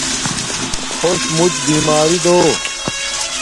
خوش موچ بیماری دو